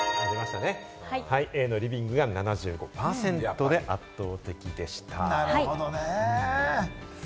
Ａのリビングが７５％で圧倒的でした。